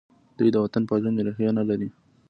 دوی د وطن پالنې روحیه نه لري.